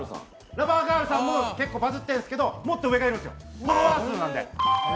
ラバーガールさんも結構バズってるんですけど、もっと上がいるんです。